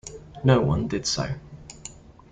No one did so.